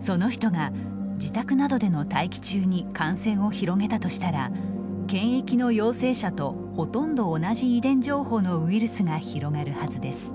その人が自宅などでの待機中に感染を広げたとしたら検疫の陽性者とほとんど同じ遺伝情報のウイルスが広がるはずです。